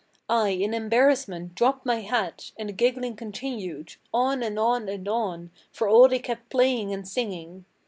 I, in embarrassment, dropped my hat, and the giggling continued, On and on and on, for all they kept playing and singing.